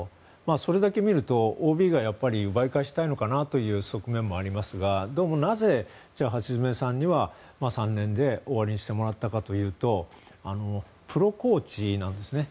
それだけ見るとＯＢが奪い返したいのかなという側面もありますがどうも、なぜ橋詰さんには３年で終わりにしてもらったかというとプロコーチなんですね。